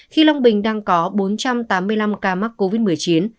khi long bình đang có bốn trăm tám mươi năm ca mắc covid một mươi chín